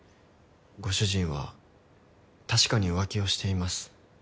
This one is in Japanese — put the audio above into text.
ご主人は確かに浮気をしています。